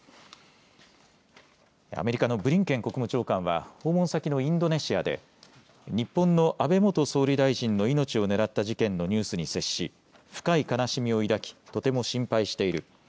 アメリカのブリンケン国務長官は訪問先のインドネシアで日本の安倍元総理大臣の命を狙った事件のニュースに接し深い悲しみを抱きとても心配している。